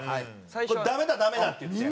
「これダメだダメだ」って言って。